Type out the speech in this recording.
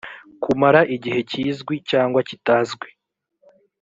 kumara igihe kizwi cyangwa kitazwi